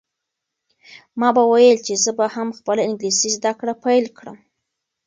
ما به ویل چې زه به هم خپله انګلیسي زده کړه پیل کړم.